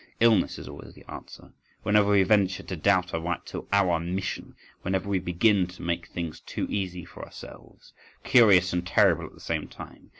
Illness is always the answer, whenever we venture to doubt our right to our mission, whenever we begin to make things too easy for ourselves. Curious and terrible at the same time!